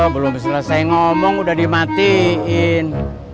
belum selesai ngomong udah dimatiin